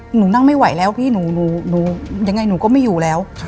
หนูนั่งไม่ไหวแล้วพี่หนูยังไงหนูก็ไม่อยู่แล้ว